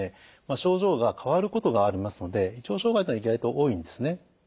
症状が変わることがありますので胃腸障害というのは意外と多いんですね。